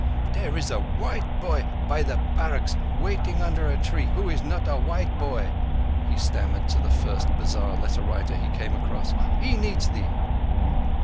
"There is a white boy by the barracks waiting under a tree who is not a white boy," he stammered to the first bazar letter writer he came across. "He needs thee."